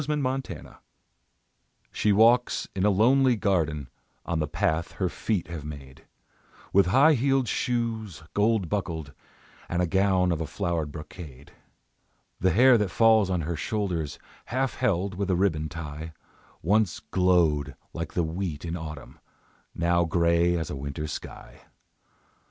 THE OLD MAID She walks in a lonely garden On the path her feet have made, With high heeled shoes, gold buckled, And gown of a flowered brocade; The hair that falls on her shoulders, Half held with a ribbon tie, Once glowed like the wheat in autumn, Now grey as a winter sky.